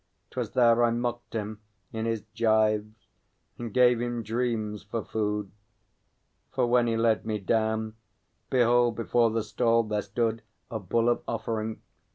'Twas there I mocked him, in his gyves, and gave him dreams for food. For when he led me down, behold, before the stall there stood A Bull of Offering.